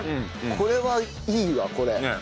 これはいいわこれ。